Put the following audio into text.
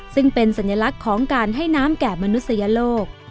ซึ่งเป็นสัญลักษณ์ของการให้น้ำแก่มนุษยโลก